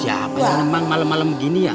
siapa yang emang malem malem begini ya